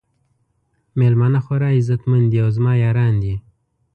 میلمانه خورا عزت مند دي او زما یاران دي.